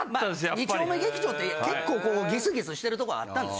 ２丁目劇場って結構ギスギスしてるとこあったんです。